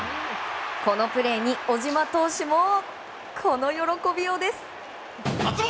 このプレーに小島投手もこの喜びようです。